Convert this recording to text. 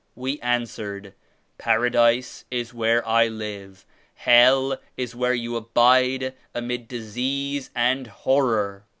We answered 'Paradise is where I live ; Hell is where you abide amid dis ease and horror.'